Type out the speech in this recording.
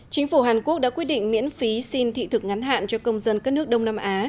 chính phủ hàn quốc đã quyết định miễn phí xin thị thực ngắn hạn cho công dân các nước đông nam á